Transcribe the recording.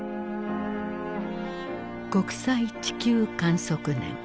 国際地球観測年。